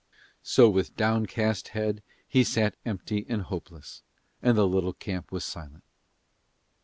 So with downcast head he sat empty and hopeless, and the little camp was silent.